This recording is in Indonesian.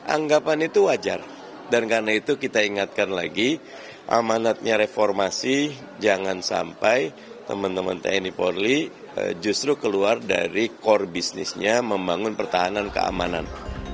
anggapan itu wajar dan karena itu kita ingatkan lagi amanatnya reformasi jangan sampai teman teman tni polri justru keluar dari core bisnisnya membangun pertahanan keamanan